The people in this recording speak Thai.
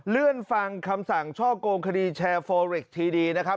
เลื่อนฟังคำสั่งช่อกงคดีแชร์โฟเรคทีดีนะครับ